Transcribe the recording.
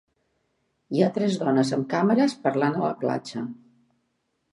Hi ha tres dones amb càmeres parlant a la platja